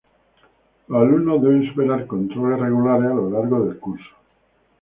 Los alumnos deben superar controles regulares a lo largo del curso.